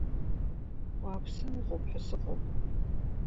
Уааԥсаны уҟоуп ҳәа сыҟоуп.